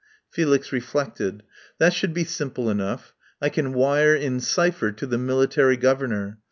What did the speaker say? Felix reflected. "That should be simple enough. I can wire in cypher to the Military Governor.